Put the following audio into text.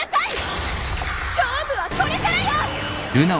勝負はこれからよ！